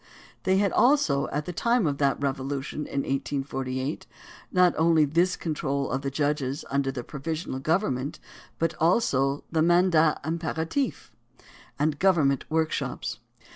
They had also, at the time of that Revolution in 1848, not only this control of the judges under the provisional government, but also the "mandat imperatif" and government workshops.